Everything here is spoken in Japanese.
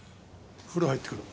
風呂入ってくる。